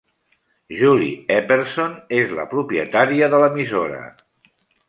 Julie Epperson és la propietària de l'emissora.